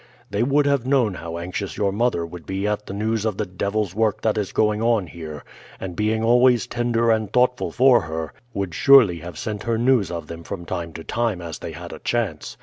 They would have known how anxious your mother would be at the news of the devil's work that is going on here, and, being always tender and thoughtful for her, would surely have sent her news of them from time to time as they had a chance.